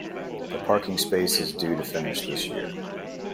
The parking space is due to finish this year.